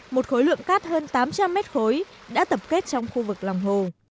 một khối lượng cát hơn tám trăm linh mét khối đã tập kết trong khu vực lòng hồ